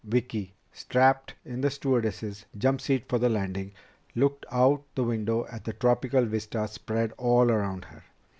Vicki, strapped in the stewardess's jump seat for the landing, looked out the window at the tropical vista spread all around her.